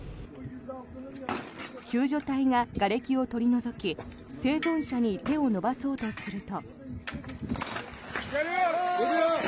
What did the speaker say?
救助隊ががれきを取り除き生存者に手を伸ばそうとすると。